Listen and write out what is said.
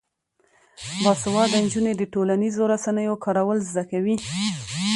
باسواده نجونې د ټولنیزو رسنیو کارول زده کوي.